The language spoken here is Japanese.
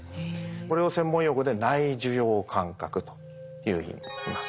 これを専門用語で内受容感覚というふうにいいます。